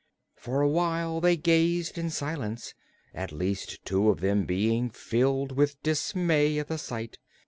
For a while they gazed in silence, at least two of them being filled with dismay at the sight.